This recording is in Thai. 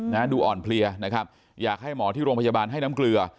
ดูอ่อนเพลียนะครับอยากให้หมอที่โรงพยาบาลให้น้ำเกลือ